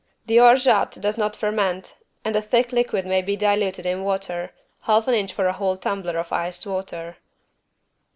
The orgeat does not ferment and the thick liquid may be diluted in water, half an inch for a whole tumbler of iced water.